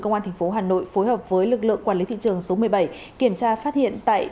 công an tp hà nội phối hợp với lực lượng quản lý thị trường số một mươi bảy kiểm tra phát hiện tại